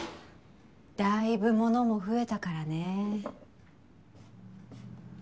だいぶ物も増えたからねぇ。